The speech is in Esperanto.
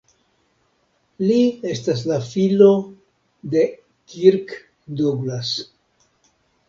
Li estas la filo de Kirk Douglas.